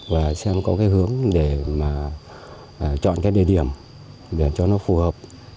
và xem có hướng để chọn địa điểm để cho nó phù hợp